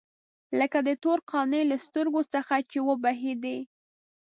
لکه د تور قانع له سترګو څخه چې وبهېدې.